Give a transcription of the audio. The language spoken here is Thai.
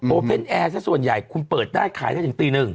เพ่นแอร์สักส่วนใหญ่คุณเปิดได้ขายได้ถึงตีหนึ่ง